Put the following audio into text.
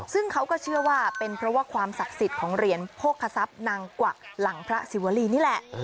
ซึ่งเขาก็เชื่อว่าเป็นเพราะว่าความศักดิ์สิทธิ์ของเหรียญโภคศัพย์นางกวักหลังพระศิวรีนี่แหละ